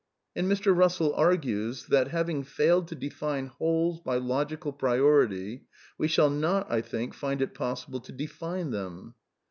And Mr. Bussell argues that, '^ having failed to define ^. ^wholes by logical priority, we shall not, I think, find it \ possible to define them."